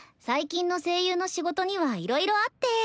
最近の声優の仕事にはいろいろあって。